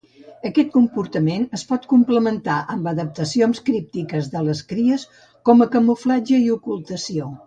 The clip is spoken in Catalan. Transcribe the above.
Aquest comportament es pot complementar amb adaptacions críptiques de les cries, com camuflatge i ocultació.